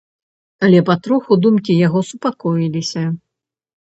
Але патроху думкі яго супакоіліся.